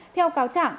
theo cáo chẳng